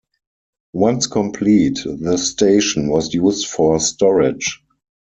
Once complete, the station was used for storage.